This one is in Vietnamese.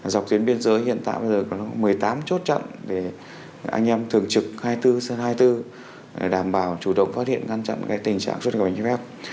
dọc tuyến biên giới hiện tại bây giờ có một mươi tám chốt chặn để anh em thường trực hai mươi bốn trên hai mươi bốn để đảm bảo chủ động phát hiện ngăn chặn tình trạng xuất cảnh trái phép